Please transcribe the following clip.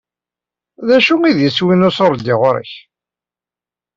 D acu i d iswi n uṣurdi ɣuṛ-k?